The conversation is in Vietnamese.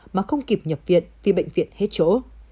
mà không kịp nhập viện vì bệnh viện hết chỗ